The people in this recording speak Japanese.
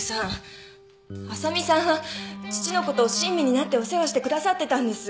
あさみさんは父のことを親身になってお世話してくださってたんです。